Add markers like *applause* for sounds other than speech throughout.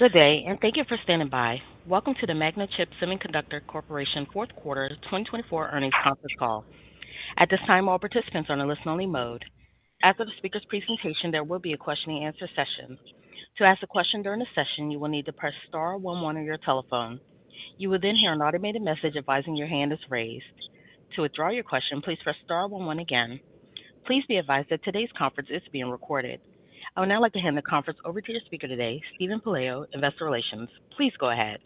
Good day, and thank you for standing by. Welcome to the Magnachip Semiconductor Corporation Fourth Quarter 2024 Earnings Conference Call. At this time, all participants are in a listen-only mode. After the speakers' presentation, there will be a question-and-answer session. To ask a question during the session, you will need to press star 11 on your telephone. You will then hear an automated message advising your hand is raised. To withdraw your question, please press star 11 again. Please be advised that today's conference is being recorded. I would now like to hand the conference over to your speaker today, Steven Pelayo, Investor Relations. Please go ahead.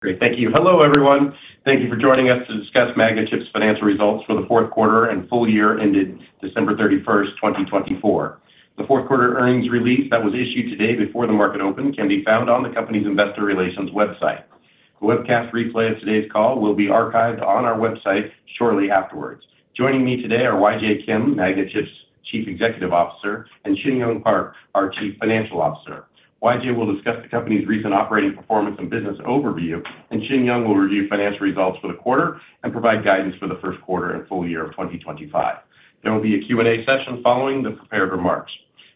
Great. Thank you. Hello, everyone. Thank you for joining us to discuss Magnachip's financial results for the fourth quarter and full year ended December 31, 2024. The fourth quarter earnings release that was issued today before the market open can be found on the company's Investor Relations website. The webcast replay of today's call will be archived on our website shortly afterwards. Joining me today are YJ Kim, Magnachip's Chief Executive Officer, and Shinyoung Park, our Chief Financial Officer. YJ will discuss the company's recent operating performance and business overview, and Shinyoung will review financial results for the quarter and provide guidance for the first quarter and full year of 2025. There will be a Q&A session following the prepared remarks.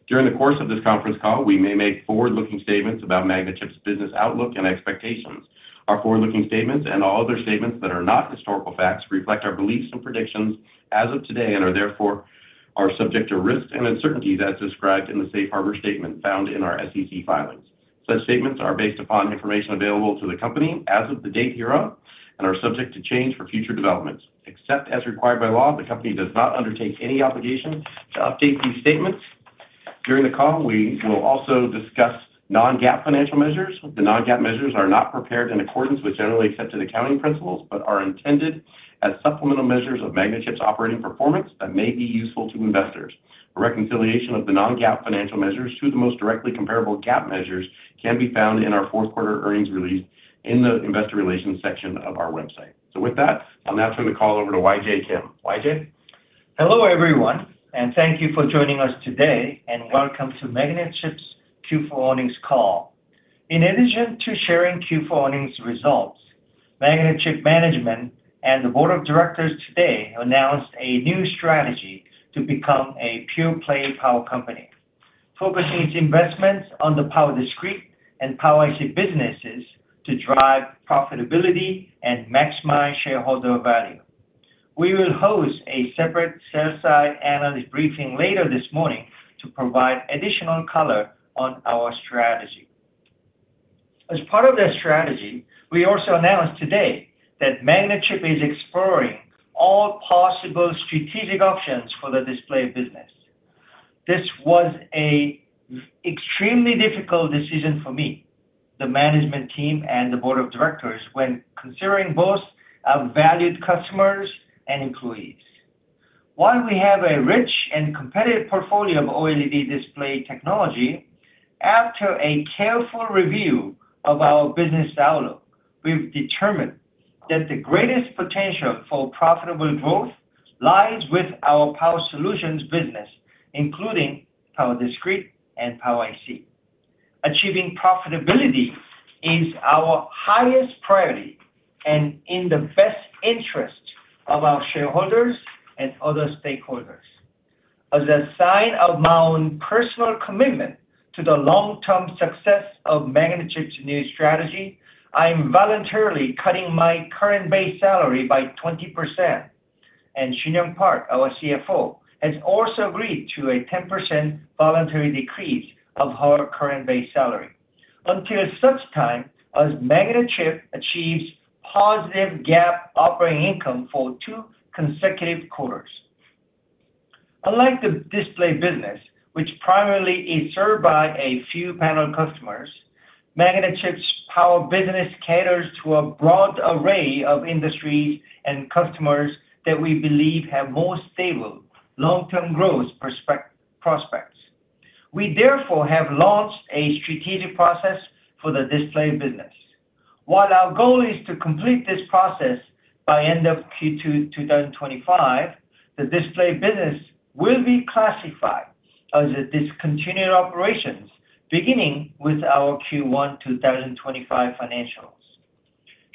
During the course of this conference call, we may make forward-looking statements about Magnachip's business outlook and expectations. Our forward-looking statements and all other statements that are not historical facts reflect our beliefs and predictions as of today and are therefore subject to risks and uncertainties as described in the Safe Harbor Statement found in our SEC filings. Such statements are based upon information available to the company as of the date hereof and are subject to change for future developments. Except as required by law, the company does not undertake any obligation to update these statements. During the call, we will also discuss non-GAAP financial measures. The non-GAAP measures are not prepared in accordance with generally accepted accounting principles but are intended as supplemental measures of Magnachip's operating performance that may be useful to investors. A reconciliation of the non-GAAP financial measures to the most directly comparable GAAP measures can be found in our fourth quarter earnings release in the Investor Relations section of our website. With that, I'll now turn the call over to YJ Kim. YJ? Hello, everyone, and thank you for joining us today, and welcome to Magnachip's Q4 earnings call. In addition to sharing Q4 earnings results, Magnachip Management and the Board of Directors today announced a new strategy to become a pure-play power company, focusing its investments on the Power discrete and Power IC businesses to drive profitability and maximize shareholder value. We will host a separate sell-side analyst briefing later this morning to provide additional color on our strategy. As part of that strategy, we also announced today that Magnachip is exploring all possible strategic options for the display business. This was an extremely difficult decision for me, the management team, and the Board of Directors when considering both our valued customers and employees. While we have a rich and competitive portfolio of OLED display technology, after a careful review of our business outlook, we've determined that the greatest potential for profitable growth lies with our Power solutions business, including Power discrete and Power IC. Achieving profitability is our highest priority and in the best interest of our shareholders and other stakeholders. As a sign of my own personal commitment to the long-term success of Magnachip's new strategy, I'm voluntarily cutting my current base salary by 20%. Shinyoung Park, our CFO, has also agreed to a 10% voluntary decrease of her current base salary until such time as Magnachip achieves positive GAAP operating income for two consecutive quarters. Unlike the display business, which primarily is served by a few panel customers, Magnachip's Power business caters to a broad array of industries and customers that we believe have more stable long-term growth prospects. We therefore have launched a strategic process for the display business. While our goal is to complete this process by end of Q2 2025, the display business will be classified as a discontinued operations beginning with our Q1 2025 financials.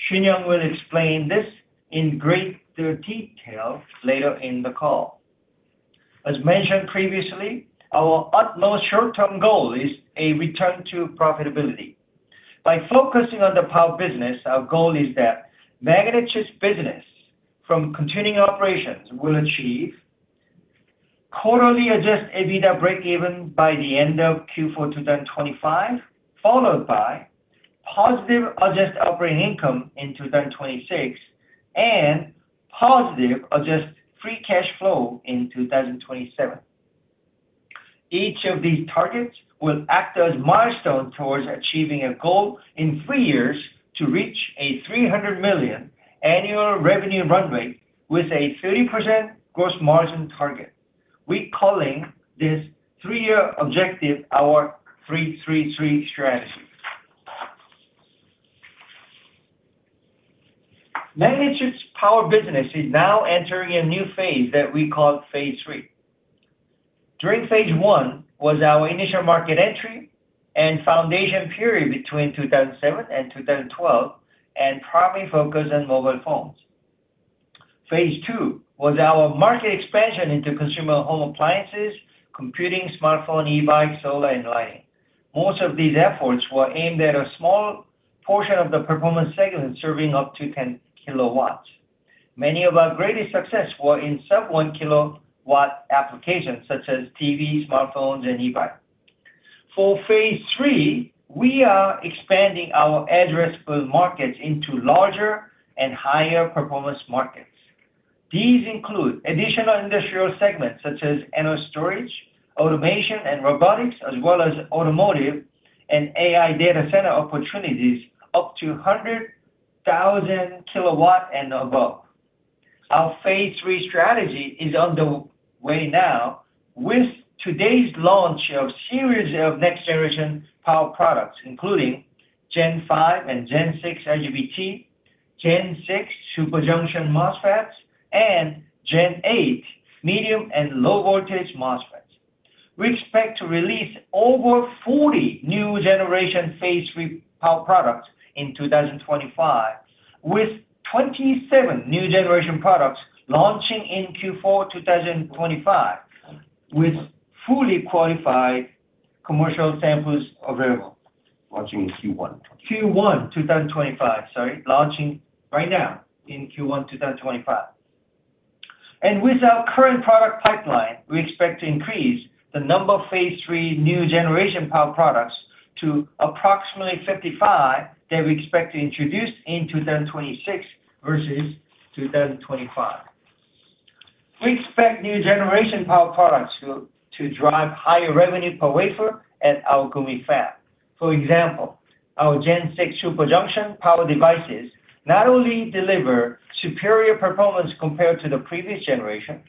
Shinyoung will explain this in greater detail later in the call. As mentioned previously, our utmost short-term goal is a return to profitability. By focusing on the Power business, our goal is that Magnachip's business from continuing operations will achieve quarterly adjusted EBITDA break-even by the end of Q4 2025, followed by positive adjusted operating income in 2026 and positive adjusted free cash flow in 2027. Each of these targets will act as milestones towards achieving a goal in three years to reach a $300 million annual revenue runway with a 30% gross margin target. We're calling this three-year objective our 3-3-3 Strategy. Magnachip's Power business is now entering a new phase that we call phase III. During phase I was our initial market entry and foundation period between 2007 and 2012, and primarily focused on mobile phones. Phase II was our market expansion into consumer home appliances, computing, smartphone, e-bike, solar, and lighting. Most of these efforts were aimed at a small portion of the performance segment serving up to 10 kW. Many of our greatest successes were in sub-1 kW applications such as TVs, smartphones, and e-bikes. For phase III, we are expanding our addressable markets into larger and higher performance markets. These include additional industrial segments such as energy storage, automation, and robotics, as well as automotive and AI data center opportunities up to 100,000 kW and above. Our phase III strategy is on the way now with today's launch of a series of next-generation power products, including Gen 5 and Gen 6 IGBT, Gen 6 Super Junction MOSFETs, and Gen 8 medium and low voltage MOSFETs. We expect to release over 40 new-generation phase III power products in 2025, with 27 new-generation products launching in Q4 2025, with fully qualified commercial samples available. Launching in Q1. Q1 2025, sorry, launching right now in Q1 2025. With our current product pipeline, we expect to increase the number of phase III new-generation power products to approximately 55 that we expect to introduce in 2026 versus 2025. We expect new-generation power products to drive higher revenue per wafer at our Gumi fab. For example, our Gen 6 Super Junction power devices not only deliver superior performance compared to the previous generation,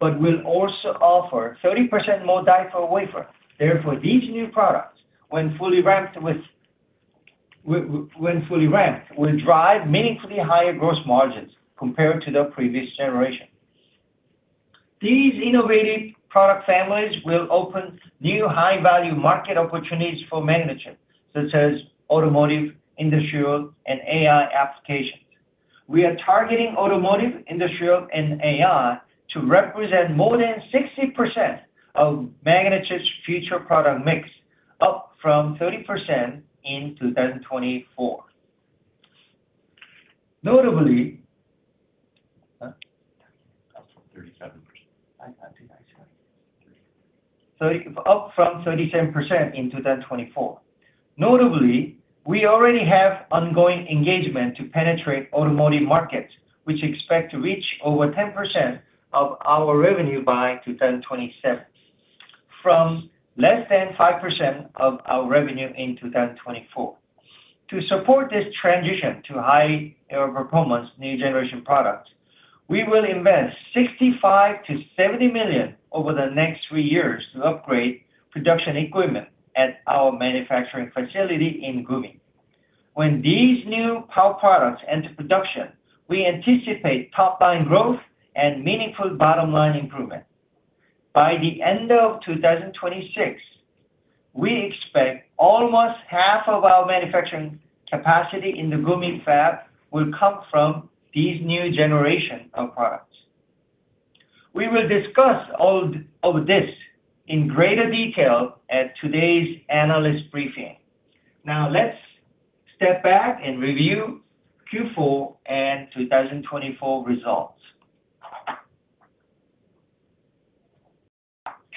but will also offer 30% more die per wafer. Therefore, these new products, when fully ramped, will drive meaningfully higher gross margins compared to the previous generation. These innovative product families will open new high-value market opportunities for Magnachip, such as automotive, industrial, and AI applications. We are targeting automotive, industrial, and AI to represent more than 60% of Magnachip's future product mix, up from 30% in 2024. Notably-- Up from 37%. *audio distortion* Up from 37% in 2024. Notably, we already have ongoing engagement to penetrate automotive markets, which expect to reach over 10% of our revenue by 2027, from less than 5% of our revenue in 2024. To support this transition to higher performance new-generation products, we will invest $65 million-$70 million over the next three years to upgrade production equipment at our manufacturing facility in Gumi. When these new power products enter production, we anticipate top-line growth and meaningful bottom-line improvement. By the end of 2026, we expect almost half of our manufacturing capacity in the Gumi fab will come from these new generation of products. We will discuss all of this in greater detail at today's analyst briefing. Now, let's step back and review Q4 and 2024 results.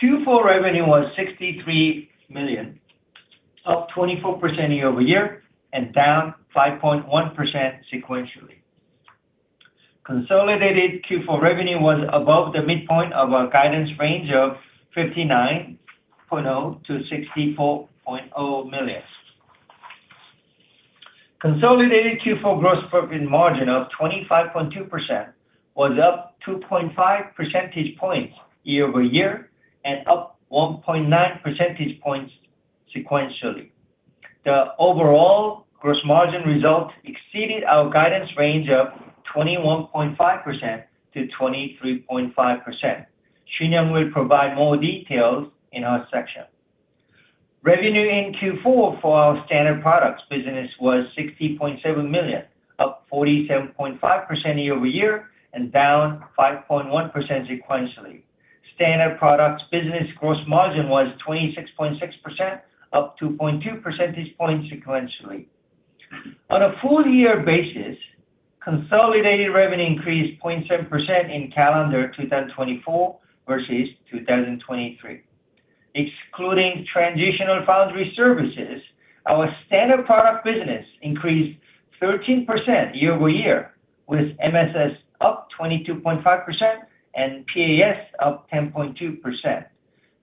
Q4 revenue was $63 million, up 24% year-over-year and down 5.1% sequentially. Consolidated Q4 revenue was above the midpoint of our guidance range of $59.0 million-$64.0 million. Consolidated Q4 gross profit margin of 25.2% was up 2.5 percentage points year-over-year and up 1.9 percentage points sequentially. The overall gross margin result exceeded our guidance range of 21.5%-23.5%. Shinyoung will provide more details in her section. Revenue in Q4 for our standard products business was $60.7 million, up 47.5% year-over-year and down 5.1% sequentially. Standard products business gross margin was 26.6%, up 2.2 percentage points sequentially. On a full-year basis, consolidated revenue increased 0.7% in calendar 2024 versus 2023. Excluding transitional foundry services, our standard products business increased 13% year-over-year, with MSS up 22.5% and PAS up 10.2%.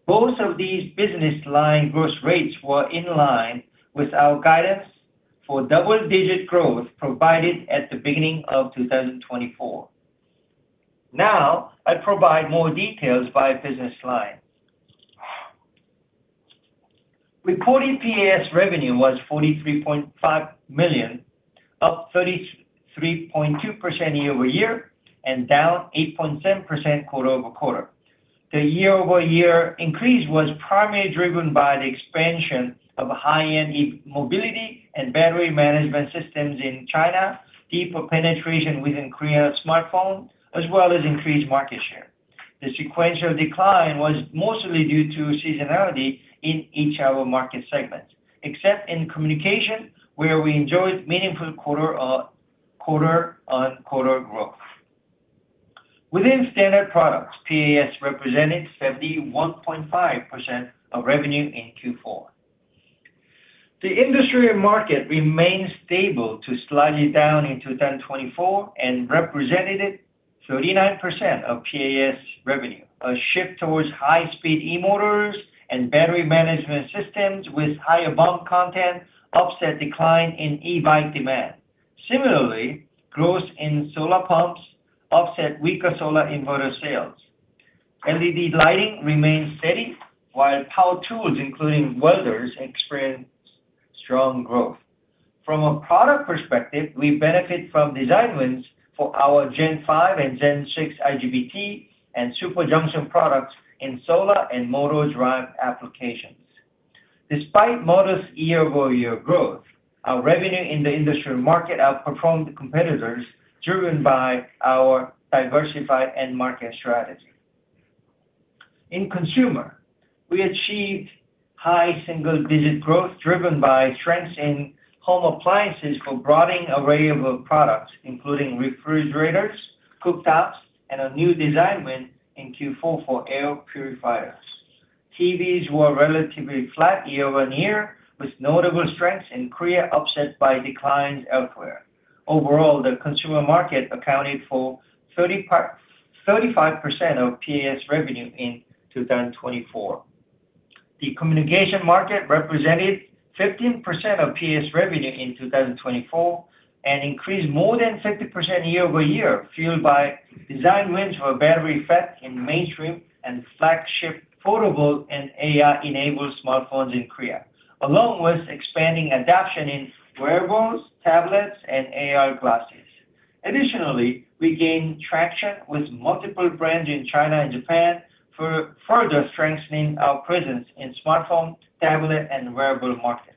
Both of these business line growth rates were in line with our guidance for double-digit growth provided at the beginning of 2024. Now, I provide more details by business line. Reported PAS revenue was $43.5 million, up 33.2% year-over-year and down 8.7% quarter-over-quarter. The year-over-year increase was primarily driven by the expansion of high-end mobility and battery management systems in China, deeper penetration within Korean smartphones, as well as increased market share. The sequential decline was mostly due to seasonality in each of our market segments, except in communication, where we enjoyed meaningful quarter-on-quarter growth. Within standard products, PAS represented 71.5% of revenue in Q4. The industry market remained stable to slightly down in 2024 and represented 39% of PAS revenue. A shift towards high-speed e-motors and battery management systems with higher BOM content offset decline in e-bike demand. Similarly, growth in solar pumps offset weaker solar inverter sales. LED lighting remained steady, while power tools, including welders, experienced strong growth. From a product perspective, we benefit from advantages for our Gen 5 and Gen 6 IGBT and Super Junction products in solar and motor drive applications. Despite modest year-over-year growth, our revenue in the industrial market outperformed competitors driven by our diversified end-market strategy. In consumer, we achieved high single-digit growth driven by strengths in home appliances for a broadening array of products, including refrigerators, cooktops, and a new advantage in Q4 for air purifiers. TVs were relatively flat year-over-year, with notable strengths in Korea offset by declines elsewhere. Overall, the consumer market accounted for 35% of PAS revenue in 2024. The communication market represented 15% of PAS revenue in 2024 and increased more than 50% year-over-year, fueled by advantages for Battery FET in mainstream and flagship portable and AI-enabled smartphones in Korea, along with expanding adoption in wearables, tablets, and AR glasses. Additionally, we gained traction with multiple brands in China and Japan for further strengthening our presence in smartphone, tablet, and wearable markets.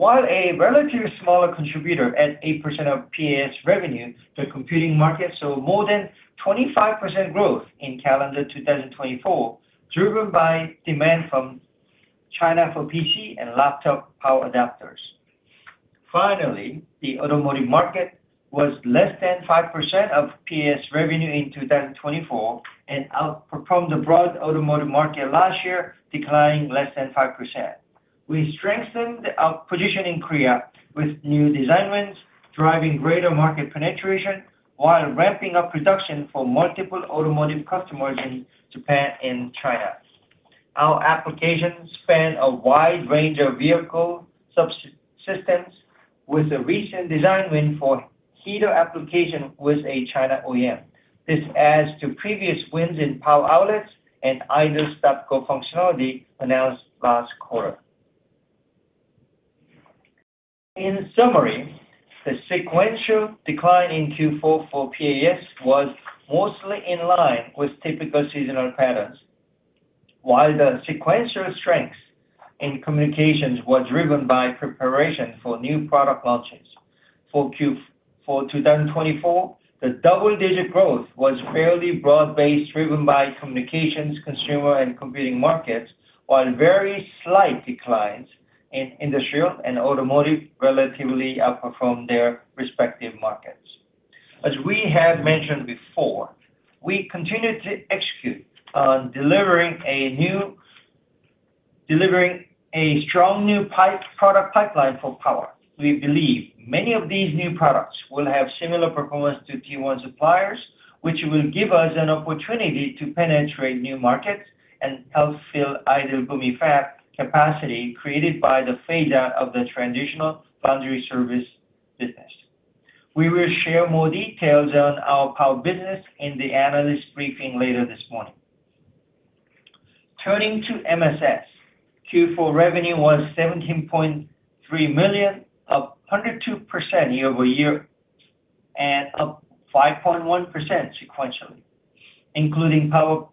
While a relatively smaller contributor at 8% of PAS revenue, the computing market saw more than 25% growth in calendar 2024, driven by demand from China for PC and laptop power adapters. Finally, the automotive market was less than 5% of PAS revenue in 2024 and outperformed the broad automotive market last year, declining less than 5%. We strengthened our position in Korea with new design wins, driving greater market penetration while ramping up production for multiple automotive customers in Japan and China. Our applications span a wide range of vehicle subsystems, with a recent disadvantage for heater application with a China OEM. This adds to previous wins in power outlets and Idle Stop & Go functionality announced last quarter. In summary, the sequential decline in Q4 for PAS was mostly in line with typical seasonal patterns, while the sequential strengths in communications were driven by preparation for new product launches. For Q4 2024, the double-digit growth was fairly broad-based, driven by communications, consumer, and computing markets, while very slight declines in industrial and automotive relatively outperformed their respective markets. As we have mentioned before, we continue to execute on delivering a strong new product pipeline for power. We believe many of these new products will have similar performance to Tier 1 suppliers, which will give us an opportunity to penetrate new markets and help fill idle Gumi fab capacity created by the phase-out of the transitional foundry service business. We will share more details on our Power business in the analyst briefing later this morning. Turning to MSS, Q4 revenue was $17.3 million, up 102% year-over-year and up 5.1% sequentially. Including Power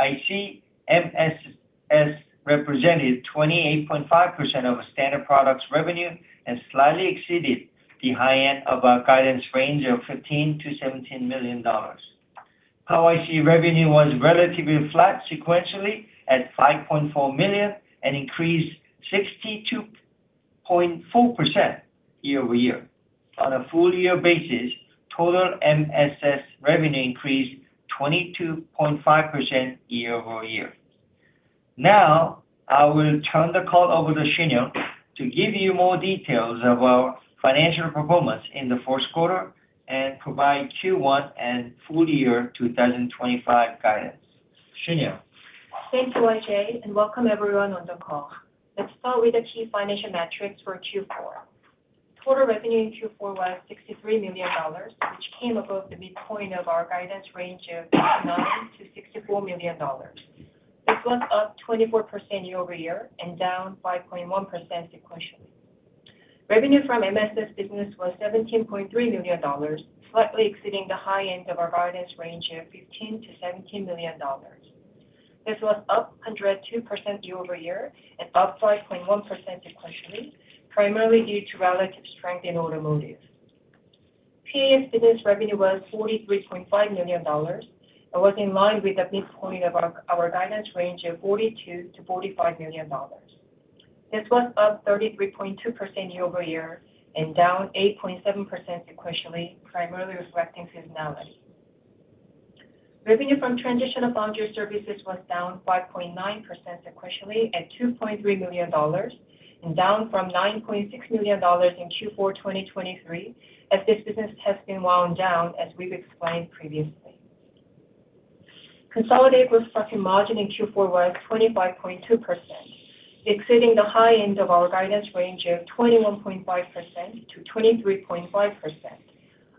IC, MSS represented 28.5% of standard products revenue and slightly exceeded the high end of our guidance range of $15 million-$17 million. Power IC revenue was relatively flat sequentially at $5.4 million and increased 62.4% year-over-year. On a full-year basis, total MSS revenue increased 22.5% year-over-year. Now, I will turn the call over to Shinyoung to give you more details of our financial performance in the first quarter and provide Q1 and full-year 2025 guidance. Shinyoung. Thank you, YJ, and welcome everyone on the call. Let's start with the key financial metrics for Q4. Total revenue in Q4 was $63 million, which came above the midpoint of our guidance range of $59 million-$64 million. This was up 24% year-over-year and down 5.1% sequentially. Revenue from MSS business was $17.3 million, slightly exceeding the high end of our guidance range of $15 million-$17 million. This was up 102% year-over-year and up 5.1% sequentially, primarily due to relative strength in automotive. PAS business revenue was $43.5 million and was in line with the midpoint of our guidance range of $42 million-$45 million. This was up 33.2% year-over-year and down 8.7% sequentially, primarily reflecting seasonality. Revenue from transitional foundry services was down 5.9% sequentially at $2.3 million and down from $9.6 million in Q4 2023, as this business has been wound down, as we've explained previously. Consolidated gross profit margin in Q4 was 25.2%, exceeding the high end of our guidance range of 21.5%-23.5%,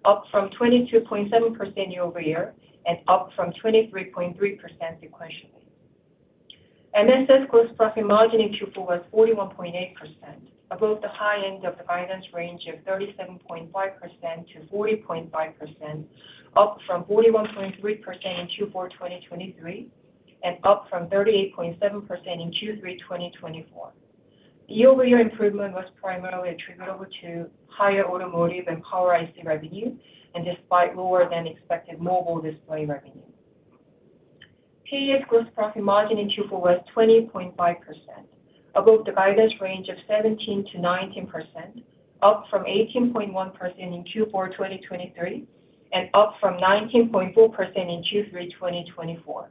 up from 22.7% year-over-year and up from 23.3% sequentially. MSS gross profit margin in Q4 was 41.8%, above the high end of the guidance range of 37.5%-40.5%, up from 41.3% in Q4 2023 and up from 38.7% in Q3 2024. The year-over-year improvement was primarily attributable to higher automotive and Power IC revenue, and despite lower-than-expected mobile display revenue. PAS gross profit margin in Q4 was 20.5%, above the guidance range of 17%-19%, up from 18.1% in Q4 2023 and up from 19.4% in Q3 2024.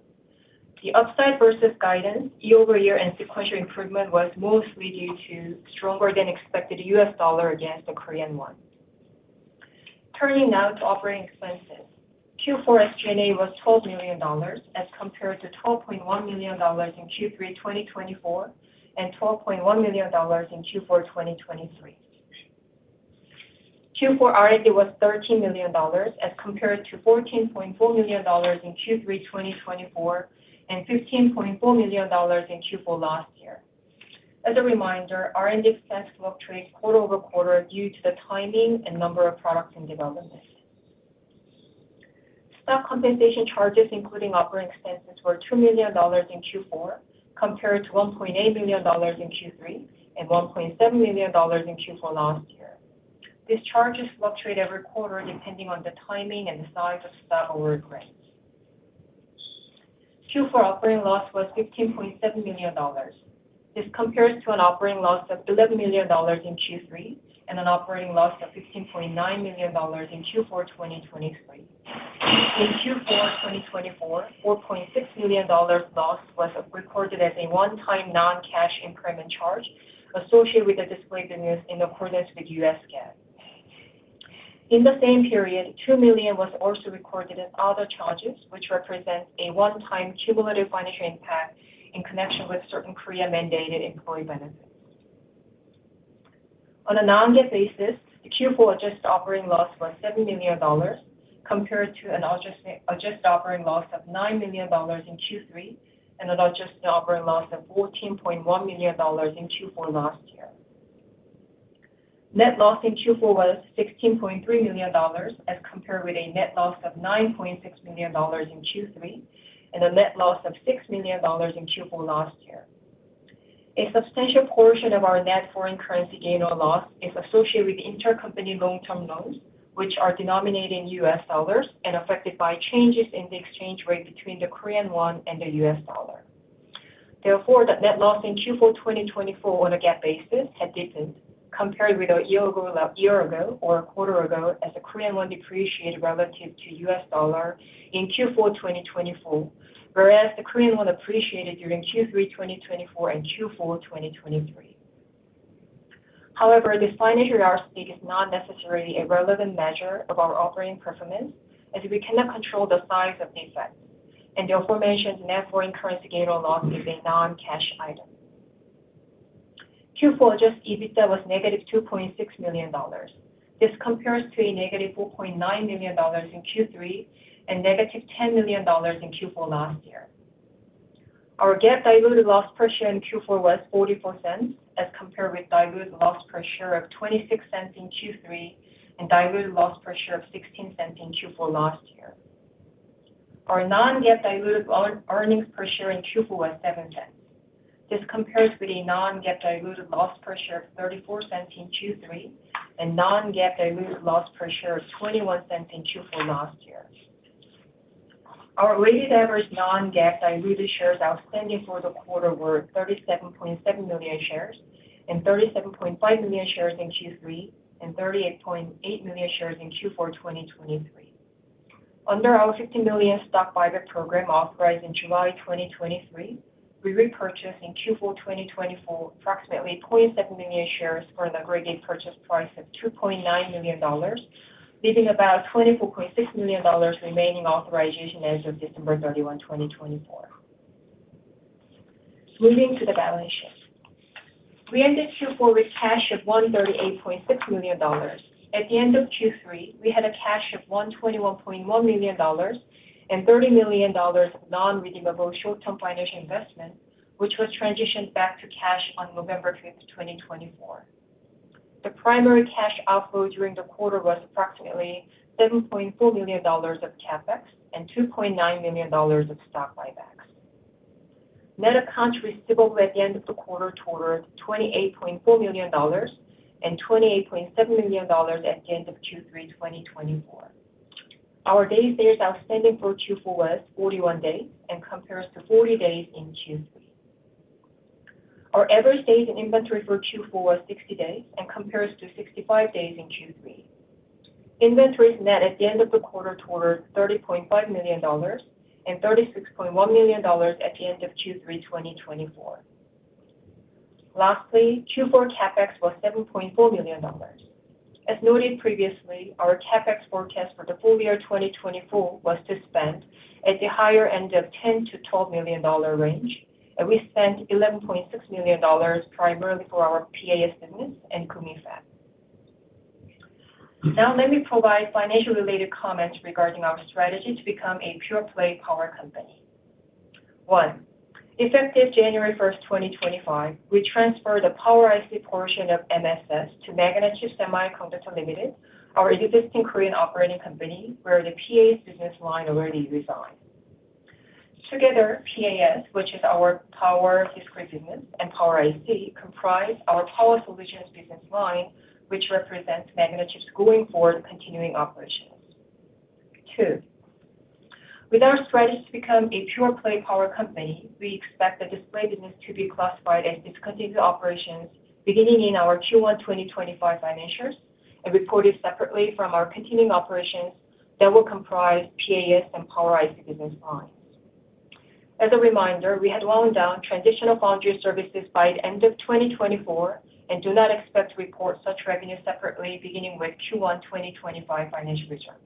The upside versus guidance, year-over-year and sequential improvement was mostly due to stronger-than-expected U.S. dollar against the Korean won. Turning now to operating expenses, Q4 SG&A was $12 million, as compared to $12.1 million in Q3 2024 and $12.1 million in Q4 2023. Q4 R&D was $13 million, as compared to $14.4 million in Q3 2024 and $15.4 million in Q4 last year. As a reminder, R&D expense fluctuates quarter-over-quarter due to the timing and number of products in development. Staff compensation charges, including operating expenses, were $2 million in Q4, compared to $1.8 million in Q3 and $1.7 million in Q4 last year. These charges fluctuate every quarter depending on the timing and the size of stock award agreements. Q4 operating loss was $15.7 million. This compares to an operating loss of $11 million in Q3 and an operating loss of $15.9 million in Q4 2023. In Q4 2024, a $4.6 million loss was recorded as a one-time non-cash impairment charge associated with the display business in accordance with U.S. GAAP. In the same period, $2 million was also recorded as other charges, which represents a one-time cumulative financial impact in connection with certain Korea-mandated employee benefits. On a non-GAAP basis, Q4 adjusted operating loss was $7 million, compared to an adjusted operating loss of $9 million in Q3 and an adjusted operating loss of $14.1 million in Q4 last year. Net loss in Q4 was $16.3 million, as compared with a net loss of $9.6 million in Q3 and a net loss of $6 million in Q4 last year. A substantial portion of our net foreign currency gain or loss is associated with intercompany long-term loans, which are denominated in U.S. dollars and affected by changes in the exchange rate between the Korean won and the U.S. dollar. Therefore, the net loss in Q4 2024 on a GAAP basis had deepened, compared with a year ago or a quarter ago, as the Korean won depreciated relative to the U.S. dollar in Q4 2024, whereas the Korean won appreciated during Q3 2024 and Q4 2023. However, this financial yardstick is not necessarily a relevant measure of our operating performance, as we cannot control the size of these effects, and the aforementioned net foreign currency gain or loss is a non-cash item. Q4 adjusted EBITDA was negative $2.6 million. This compares to a negative $4.9 million in Q3 and negative $10 million in Q4 last year. Our GAAP diluted loss per share in Q4 was $0.44, as compared with diluted loss per share of $0.26 in Q3 and diluted loss per share of $0.16 in Q4 last year. Our non-GAAP diluted earnings per share in Q4 was $0.07. This compares with a non-GAAP diluted loss per share of $0.34 in Q3 and non-GAAP diluted loss per share of $0.21 in Q4 last year. Our weighted average non-GAAP diluted shares outstanding for the quarter were 37.7 million shares and 37.5 million shares in Q3 and 38.8 million shares in Q4 2023. Under our $50 million stock buyback program authorized in July 2023, we repurchased in Q4 2024 approximately 0.7 million shares for an aggregate purchase price of $2.9 million, leaving about $24.6 million remaining authorization as of December 31, 2024. Moving to the balance sheet, we ended Q4 with cash of $138.6 million. At the end of Q3, we had cash of $121.1 million and $30 million of non-redeemable short-term financial investment, which was transitioned back to cash on November 5, 2024. The primary cash outflow during the quarter was approximately $7.4 million of CapEx and $2.9 million of stock buybacks. Net accounts receivable at the end of the quarter totaled $28.4 million and $28.7 million at the end of Q3 2024. Our days sales outstanding for Q4 was 41 days and compares to 40 days in Q3. Our average days in inventory for Q4 was 60 days and compares to 65 days in Q3. Inventory net at the end of the quarter totaled $30.5 million and $36.1 million at the end of Q3 2024. Lastly, Q4 CapEx was $7.4 million. As noted previously, our CapEx forecast for the full year 2024 was to spend at the higher end of the $10 million-$12 million range, and we spent $11.6 million primarily for our PAS business and Gumi fab. Now, let me provide financial-related comments regarding our strategy to become a pure-play power company. One, effective January 1, 2025, we transfer the Power IC portion of MSS to Magnachip Semiconductor Limited, our existing Korean operating company, where the PAS business line already resides. Together, PAS, which is our Power discrete business, and Power IC comprise our Power solutions business line, which represents Magnachip's going forward continuing operations. Two, with our strategy to become a pure-play power company, we expect the display business to be classified as discontinued operations beginning in our Q1 2025 financials, and reported separately from our continuing operations that will comprise PAS and Power IC business lines. As a reminder, we had wound down transitional foundry services by the end of 2024 and do not expect to report such revenue separately beginning with Q1 2025 financial results.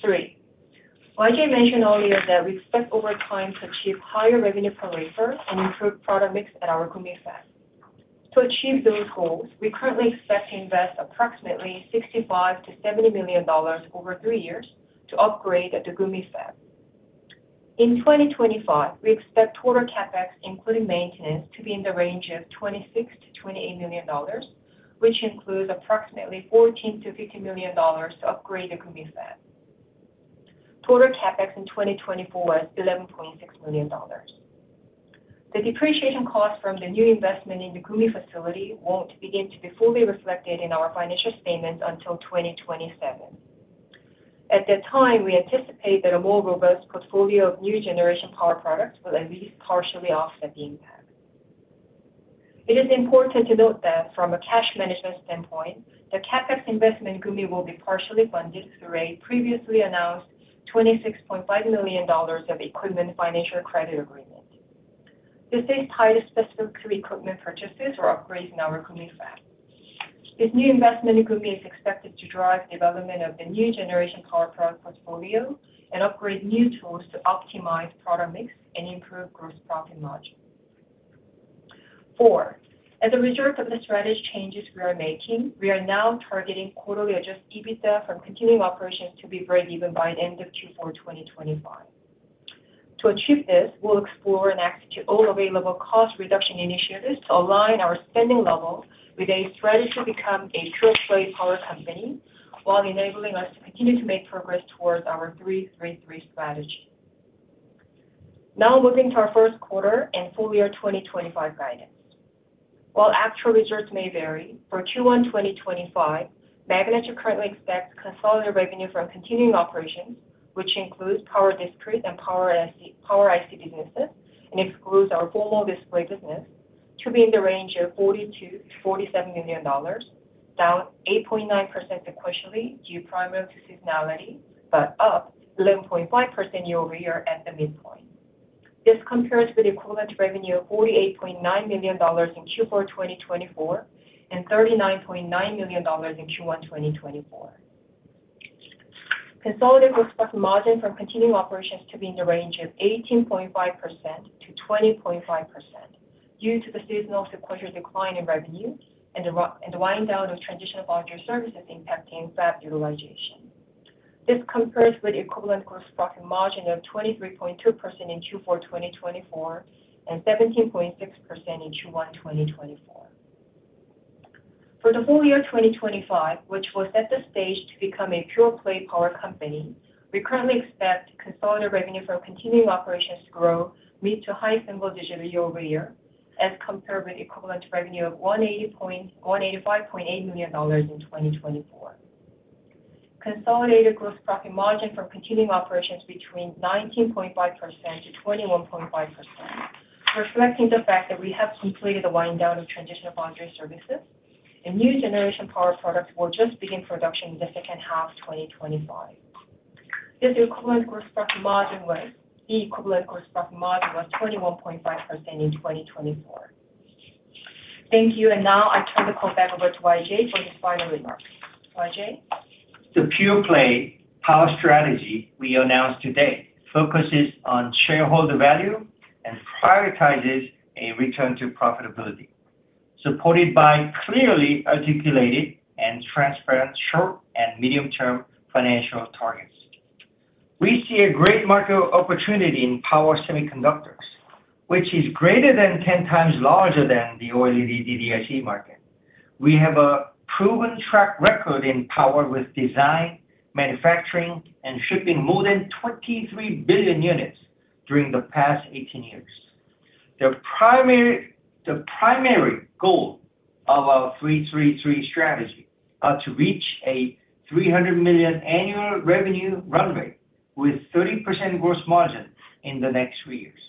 Three, YJ mentioned earlier that we expect over time to achieve higher revenue per wafer and improve product mix at our Gumi fab. To achieve those goals, we currently expect to invest approximately $65 million-$70 million over three years to upgrade the Gumi fab. In 2025, we expect total CapEx, including maintenance, to be in the range of $26 million-$28 million, which includes approximately $14 million-$15 million to upgrade the Gumi fab. Total CapEx in 2024 was $11.6 million. The depreciation cost from the new investment in the Gumi facility will not begin to be fully reflected in our financial statements until 2027. At that time, we anticipate that a more robust portfolio of new generation power products will at least partially offset the impact. It is important to note that from a cash management standpoint, the CapEx investment in Gumi will be partially funded through a previously announced $26.5 million equipment financial credit agreement. This is tied specifically to equipment purchases or upgrades in our Gumi fab. This new investment in Gumi is expected to drive development of the new generation power product portfolio and upgrade new tools to optimize product mix and improve gross profit margin. Four, as a result of the strategy changes we are making, we are now targeting quarterly adjusted EBITDA from continuing operations to be break-even by the end of Q4 2025. To achieve this, we'll explore and execute all available cost reduction initiatives to align our spending level with a strategy to become a pure-play power company, while enabling us to continue to make progress towards our 3-3-3 Strategy. Now, moving to our first quarter and full year 2025 guidance. While actual results may vary, for Q1 2025, Magnachip currently expects consolidated revenue from continuing operations, which includes Power discrete and Power IC businesses and excludes our formal display business, to be in the range of $42 million-$47 million, down 8.9% sequentially due primarily to seasonality, but up 11.5% year-over-year at the midpoint. This compares with the equivalent revenue of $48.9 million in Q4 2024 and $39.9 million in Q1 2024. Consolidated gross profit margin from continuing operations to be in the range of 18.5%-20.5%, due to the seasonal sequential decline in revenue and the wind down of transitional foundry services impacting fab utilization. This compares with the equivalent gross profit margin of 23.2% in Q4 2024 and 17.6% in Q1 2024. For the full year 2025, which was at the stage to become a pure-play power company, we currently expect consolidated revenue from continuing operations to grow mid to high single digit year-over-year, as compared with equivalent revenue of $185.8 million in 2024. Consolidated gross profit margin from continuing operations between 19.5%-21.5%, reflecting the fact that we have completed the wind down of transitional foundry services, and new generation power products will just begin production in the second half of 2025. The equivalent gross profit margin was 21.5% in 2024. Thank you, and now I turn the call back over to YJ for his final remarks. YJ? The pure-play power strategy we announced today focuses on shareholder value and prioritizes a return to profitability, supported by clearly articulated and transparent short and medium-term financial targets. We see a great market opportunity in power semiconductors, which is greater than 10x larger than the OLED DDIC market. We have a proven track record in power with design, manufacturing, and shipping more than 23 billion units during the past 18 years. The primary goal of our 3-3-3 Strategy is to reach a $300 million annual revenue run rate with 30% gross margin in the next three years.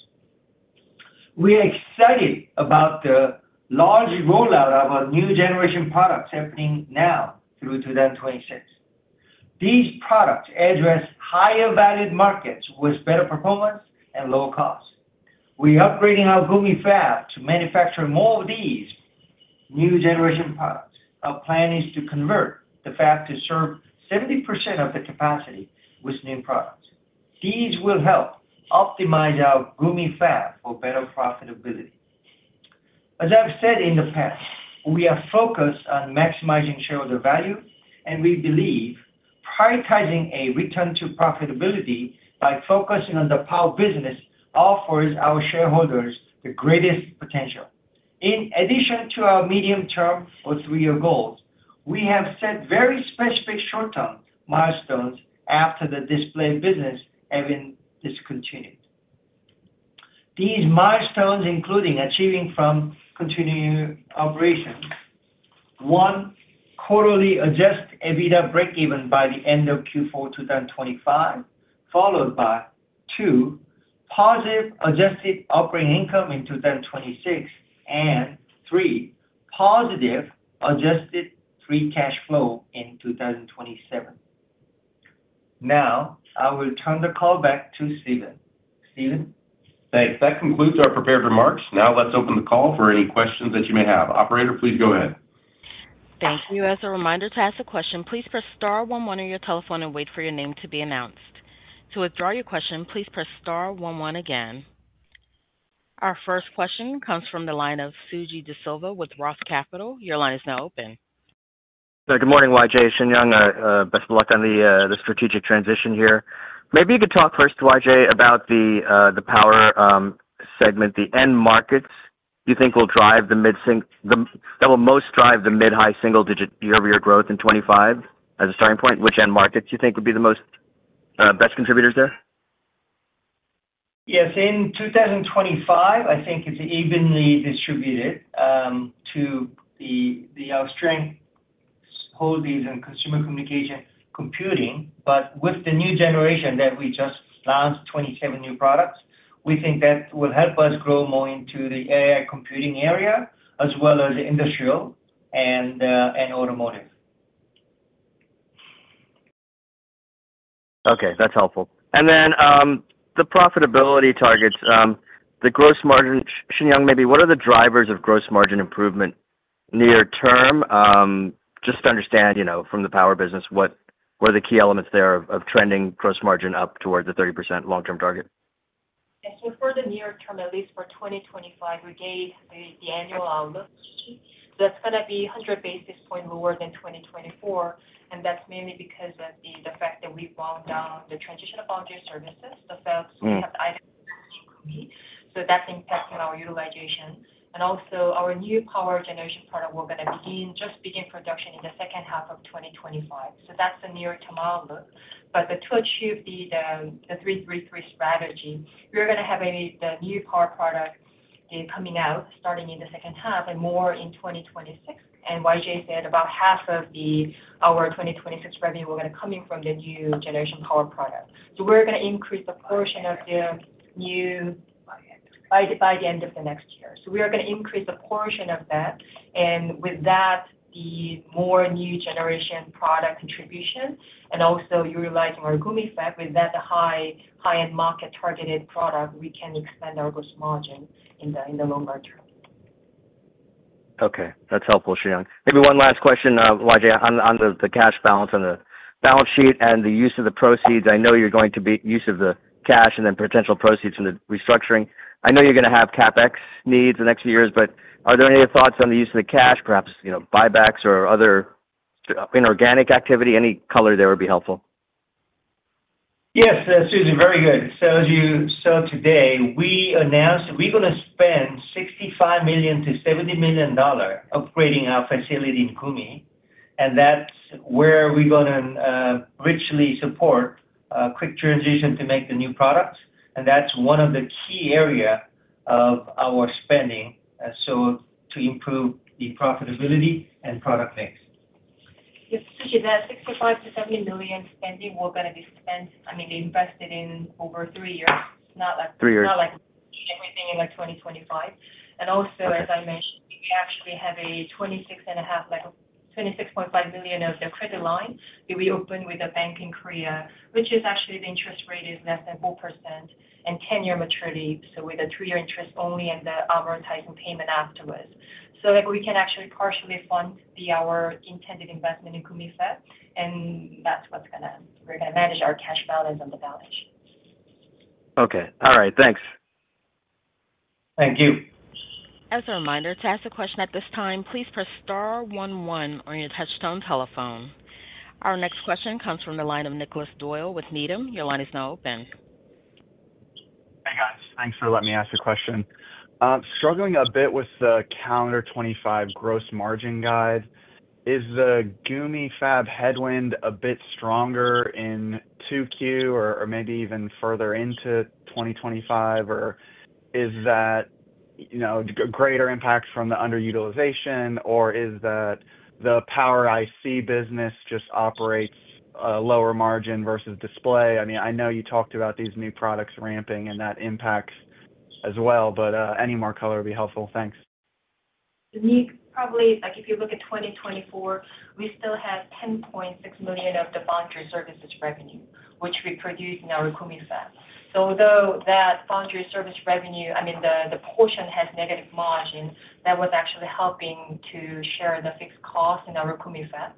We are excited about the large rollout of our new generation products happening now through 2026. These products address higher valued markets with better performance and low cost. We are upgrading our Gumi fab to manufacture more of these new generation products. Our plan is to convert the fab to serve 70% of the capacity with new products. These will help optimize our Gumi fab for better profitability. As I've said in the past, we are focused on maximizing shareholder value, and we believe prioritizing a return to profitability by focusing on the Power business offers our shareholders the greatest potential. In addition to our medium-term or three-year goals, we have set very specific short-term milestones after the display business has been discontinued. These milestones include achieving continuing operations: one, quarterly adjusted EBITDA break-even by the end of Q4 2025, followed by two, positive adjusted operating income in 2026, and three, positive adjusted free cash flow in 2027. Now, I will turn the call back to Steven. Steven? Thanks. That concludes our prepared remarks. Now, let's open the call for any questions that you may have. Operator, please go ahead. Thank you. As a reminder to ask a question, please press star 11 on your telephone and wait for your name to be announced to withdraw your question, please press star 11 again. Our first question comes from the line of Suji Desilva with Roth Capital. Your line is now open. Good morning, YJ. Best of luck on the strategic transition here. Maybe you could talk first, YJ, about the Power segment, the end markets you think will drive the mid—that will most drive the mid-high single digit year-over-year growth in 2025 as a starting point. Which end markets do you think would be the most best contributors there? Yes. In 2025, I think it's evenly distributed to the industrial, automotive, and consumer communication computing, but with the new generation that we just launched, 27 new products, we think that will help us grow more into the AI computing area as well as industrial and automotive. Okay. That's helpful. The profitability targets, the gross margin—Shinyoung, maybe what are the drivers of gross margin improvement near term? Just to understand from the Power business, what are the key elements there of trending gross margin up towards the 30% long-term target? Yes. For the near term, at least for 2025, we gave the annual outlook. That is going to be 100 basis points lower than 2024, and that is mainly because of the fact that we have wound down the transitional foundry services, the fabs we have either in Gumi, so that is impacting our utilization. Also, our new power generation product we are going to just begin production in the second half of 2025. That is the near-term outlook. To achieve the 3-3-3 Strategy, we are going to have the new power product coming out starting in the second half and more in 2026. YJ said about half of our 2026 revenue is going to be coming from the new generation power product. We are going to increase the portion of the new by the end of next year. We are going to increase the portion of that, and with that, the more new generation product contribution and also utilizing our Gumi fab, with that high-end market targeted product, we can expand our gross margin in the longer term. Okay. That's helpful, Shin. Maybe one last question, YJ, on the cash balance on the balance sheet and the use of the proceeds. I know you are going to be using the cash and then potential proceeds from the restructuring. I know you are going to have CapEx needs the next few years, but are there any thoughts on the use of the cash, perhaps buybacks or other inorganic activity? Any color there would be helpful. Yes. Suji, very good. Today, we announced we're going to spend $65 million-$70 million upgrading our facility in Gumi, and that's where we're going to richly support a quick transition to make the new products. That's one of the key areas of our spending, to improve the profitability and product mix. Yes. Suji, that $65 million-$70 million spending we're going to be spending, I mean, invested in over three years, not like everything in 2025. Also, as I mentioned, we actually have a $26.5 million credit line that we opened with a bank in Korea, which is actually the interest rate is less than 4% and 10-year maturity, with a three-year interest only and the amortizing payment afterwards. We can actually partially fund our intended investment in Gumi fab, and that is what is going to—we are going to manage our cash balance on the balance sheet. Okay. All right. Thanks. Thank you. As a reminder, to ask a question at this time, please press star 11 on your touchstone telephone. Our next question comes from the line of Nicholas Doyle with Needham. Your line is now open. Hey, guys. Thanks for letting me ask a question. Struggling a bit with the calendar 2025 gross margin guide. Is the Gumi fab headwind a bit stronger in 2Q or maybe even further into 2025, or is that a greater impact from the underutilization, or is that the Power IC business just operates at a lower margin versus display? I mean, I know you talked about these new products ramping and that impact as well, but any more color would be helpful. Thanks. Probably, if you look at 2024, we still have $10.6 million of the foundry services revenue, which we produce in our Gumi fab. Although that foundry service revenue, I mean, the portion has negative margin, that was actually helping to share the fixed cost in our Gumi fab.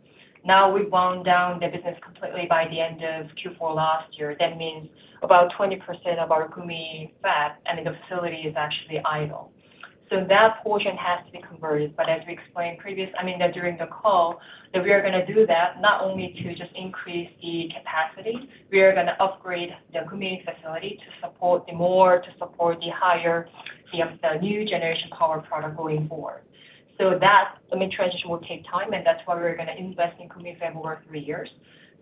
Now we've wound down the business completely by the end of Q4 last year. That means about 20% of our Gumi fab, I mean, the facility is actually idle. That portion has to be converted. As we explained previously, I mean, during the call, we are going to do that not only to just increase the capacity, we are going to upgrade the Gumi facility to support the more, to support the higher of the new generation power product going forward. That mid-transition will take time, and that's why we're going to invest in Gumi fab over three years.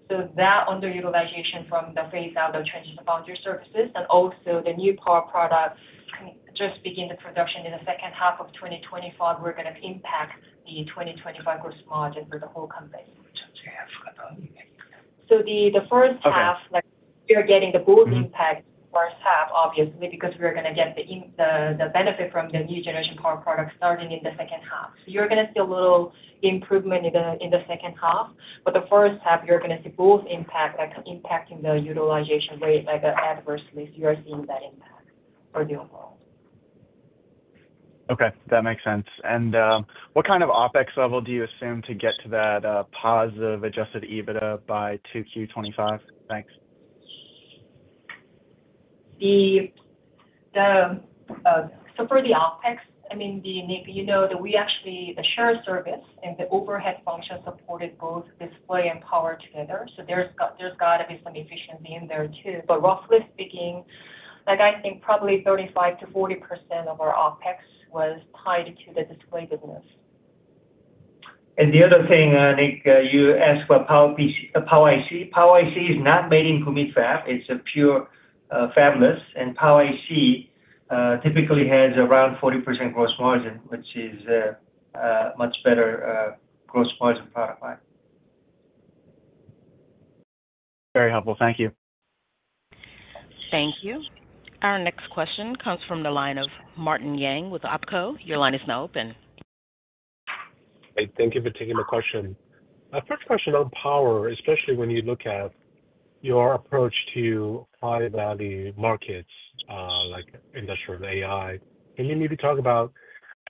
That underutilization from the phase-out of transitional foundry services and also the new power product just beginning the production in the second half of 2025, we're going to impact the 2025 gross margin for the whole company. The first half, we are getting both impacts, first half, obviously, because we're going to get the benefit from the new generation power product starting in the second half. You're going to see a little improvement in the second half, but the first half, you're going to see both impacts impacting the utilization rate adversely. You're seeing that impact for the overall. Okay. That makes sense. What kind of OpEx level do you assume to get to that positive adjusted EBITDA by 2Q 2025? Thanks. For the OpEx, you know that we actually, the share of service and the overhead function supported both display and power together. There has got to be some efficiency in there too. Roughly speaking, I think probably 35%-40% of our OpEx was tied to the display business. The other thing, Nick, you asked about Power IC. Power IC is not made in Gumi fab. It is pure fabless, and Power IC typically has around 40% gross margin, which is a much better gross margin product line. Very helpful. Thank you. Thank you. Our next question comes from the line of Martin Yang with OpCo. Your line is now open. Thank you for taking the question. My first question on Power, especially when you look at your approach to high-value markets like industrial and AI, can you maybe talk about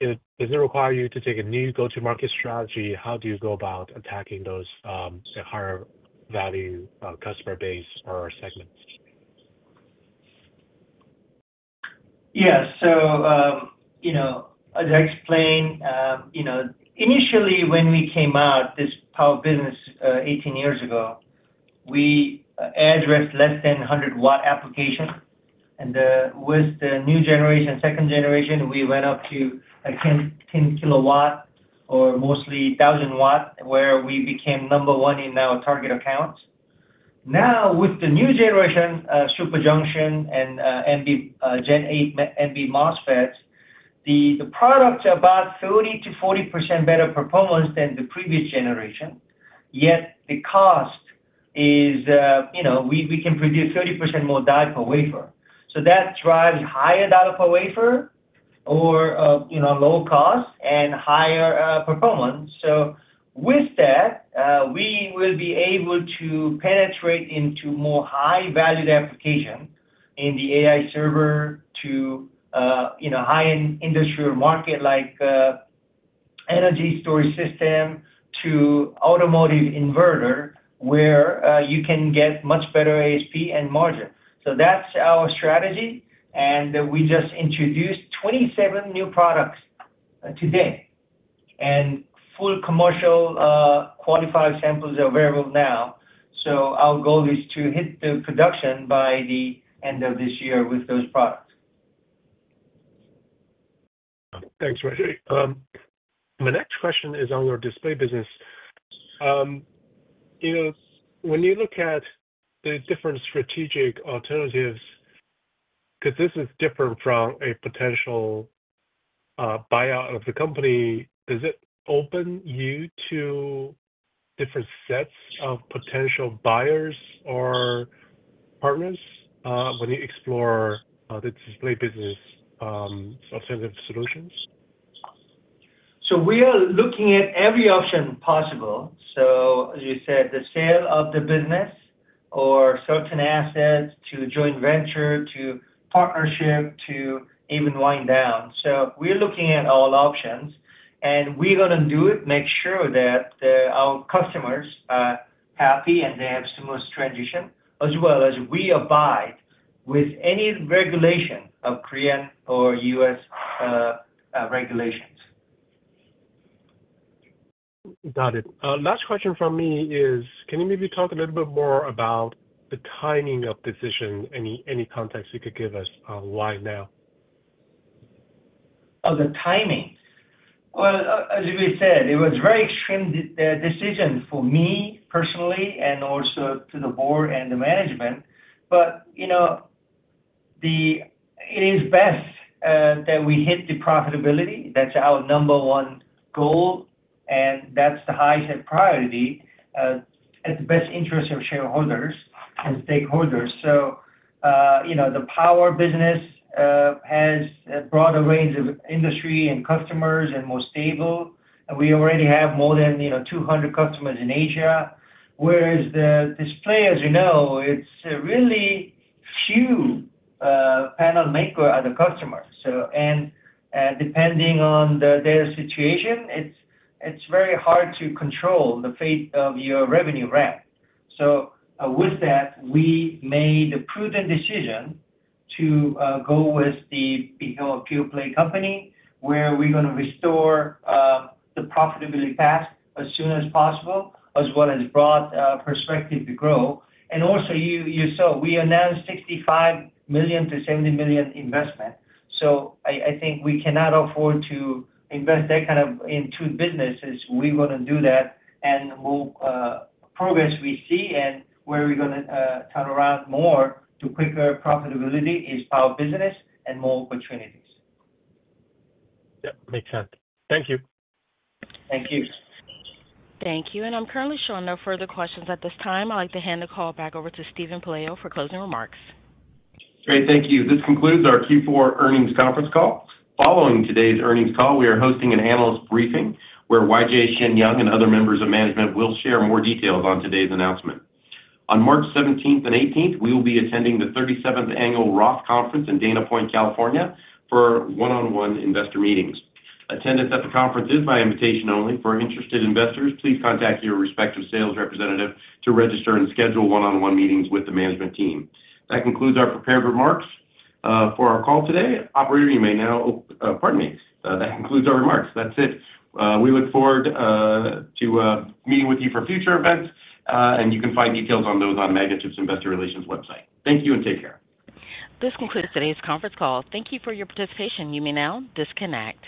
does it require you to take a new go-to-market strategy? How do you go about attacking those higher-value customer base or segments? Yes. As I explained, initially, when we came out, this Power business 18 years ago, we addressed less than 100 W application. With the new generation, second generation, we went up to 10 kW or mostly 1,000 W, where we became number one in our target accounts. Now, with the new generation Super Junction and Gen 8 MV MOSFETs, the product is about 30%-40% better performance than the previous generation, yet the cost is we can produce 30% more die per wafer. That drives higher die per wafer or low cost and higher performance. With that, we will be able to penetrate into more high-valued applications in the AI server to high-end industrial market like energy storage system to automotive inverter, where you can get much better ASP and margin. That is our strategy, and we just introduced 27 new products today, and full commercial qualified samples are available now. Our goal is to hit the production by the end of this year with those products. Thanks, YJ. My next question is on your display business. When you look at the different strategic alternatives, because this is different from a potential buyout of the company, does it open you to different sets of potential buyers or partners when you explore the display business alternative solutions? We are looking at every option possible. As you said, the sale of the business or certain assets to joint venture to partnership to even wind down. We are looking at all options, and we are going to do it, make sure that our customers are happy and they have smooth transition, as well as we abide with any regulation of Korean or U.S. regulations. Got it. Last question from me is, can you maybe talk a little bit more about the timing of decision? Any context you could give us why now? Of the timing? As we said, it was a very extreme decision for me personally and also to the board and the management. It is best that we hit the profitability. That is our number one goal, and that is the highest priority at the best interest of shareholders and stakeholders. The Power business has brought a range of industry and customers and more stable. We already have more than 200 customers in Asia, whereas the display, as you know, it's really few panel makers are the customers. Depending on their situation, it's very hard to control the fate of your revenue ramp. With that, we made a prudent decision to go with the pure-play company, where we're going to restore the profitability path as soon as possible, as well as broad perspective to grow. Also, you saw we announced $65 million-$70 million investment. I think we cannot afford to invest that kind in two businesses. We're going to do that, and progress we see and where we're going to turn around more to quicker profitability is Power business and more opportunities. Yep. Makes sense. Thank you. Thank you. Thank you. I'm currently showing no further questions at this time. I'd like to hand the call back over to Steven Pelayo for closing remarks. Great. Thank you. This concludes our Q4 earnings conference call. Following today's earnings call, we are hosting an analyst briefing where YJ, Shinyoung, and other members of management will share more details on today's announcement. On March 17th and 18th, we will be attending the 37th Annual Roth Conference in Dana Point, California, for one-on-one investor meetings. Attendance at the conference is by invitation only. For interested investors, please contact your respective sales representative to register and schedule one-on-one meetings with the management team. That concludes our prepared remarks for our call today. Operator, you may now pardon me. That concludes our remarks. That's it. We look forward to meeting with you for future events, and you can find details on those on Magnachip's Investor Relations website. Thank you and take care. This concludes today's conference call. Thank you for your participation. You may now disconnect.